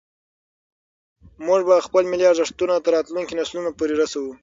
موږ به خپل ملي ارزښتونه تر راتلونکو نسلونو پورې رسوو.